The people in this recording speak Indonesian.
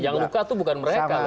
yang luka itu bukan mereka